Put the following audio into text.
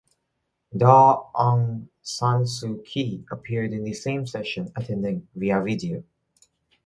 Daw Aung San Suu Kyi appeared in the same session attending via video.